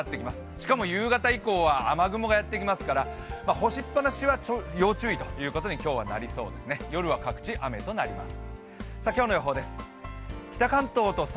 しかも夕方以降は雨雲がやってきますから干しっぱなしは要注意ということに今日はなります、夜は各地雨となります。